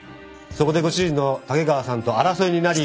そこでご主人の竹川さんと争いになり。